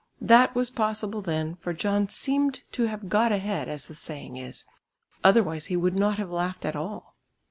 That was possible then, for John seemed to have "got ahead" as the saying is; otherwise he would not have laughed at all.